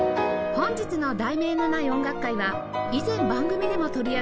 本日の『題名のない音楽会』は以前番組でも取り上げ